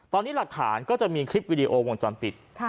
ตอนนี้หลักฐานก็จะมีคลิปวิดีโอวงจรปิด